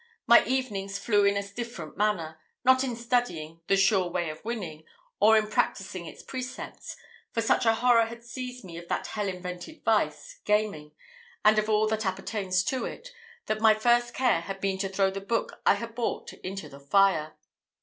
My evenings flew in a different manner, not in studying "The Sure Way of Winning," or in practising its precepts, for such a horror had seized me of that hell invented vice, gaming, and of all that appertains to it, that my first care had been to throw the book I had bought into the fire.